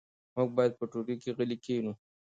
موږ باید په ټولګي کې غلي کښېنو.